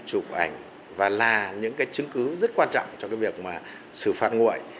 chụp ảnh và là những cái chứng cứ rất quan trọng cho cái việc mà xử phạt nguội